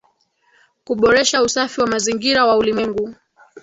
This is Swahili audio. Kuboresha usafi wa mazingira wa ulimwengu